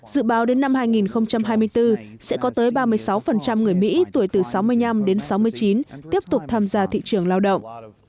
dự báo đến năm hai nghìn hai mươi bốn sẽ có tới ba mươi sáu người mỹ tuổi từ sáu mươi năm đến sáu mươi chín tiếp tục tham gia thị trường lao động